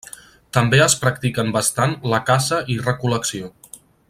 També es practiquen bastant la caça i recol·lecció.